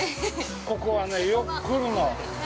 ここはね、よく来るの。